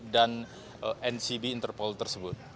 dan ncb interpol tersebut